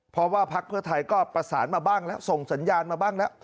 เพราะว่าพักเพื่อไทยก็ประสานมาบ้างแล้วส่งสัญญาณมาบ้างแล้ว